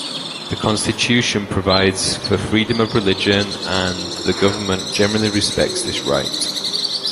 The Constitution provides for freedom of religion, and the government generally respects this right.